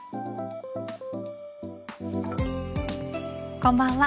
こんばんは。